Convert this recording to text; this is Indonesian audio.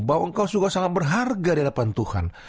bahwa engkau juga sangat berharga di hadapan tuhan